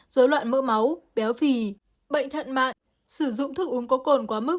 dối loạn mỡ máu béo phì bệnh thận mạng sử dụng thức uống có cồn quá mức